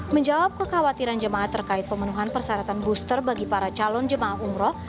menjawab kekhawatiran jemaah terkait pemenuhan persyaratan booster bagi para calon jemaah umroh